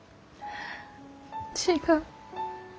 違う。